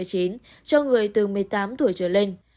cho người từ một mươi tám tuổi trở lên